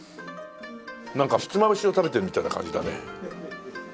なんかひつまぶしを食べてるみたいな感じだね。